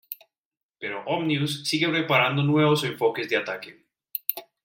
Pero Omnius sigue preparando nuevos enfoques de ataque.